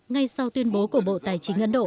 ngay sau tuyên bố của bộ tài chính ấn độ